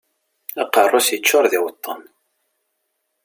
Aqerru-s yeččuṛ d iweṭṭen.